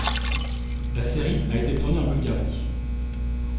La série a été tournée en Bulgarie.